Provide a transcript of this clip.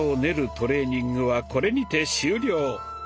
トレーニングはこれにて終了！